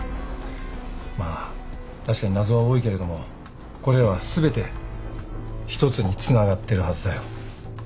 まあ確かに謎は多いけれどもこれらは全て一つにつながってるはずだよ。